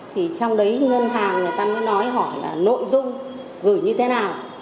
thì trong đấy ngân hàng người ta mới nói hỏi là nội dung gửi như thế nào